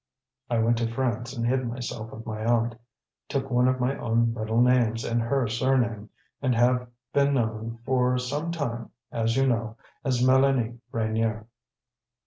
I went to France and hid myself with my aunt, took one of my own middle names and her surname, and have been known for some time, as you know, as Mélanie Reynier."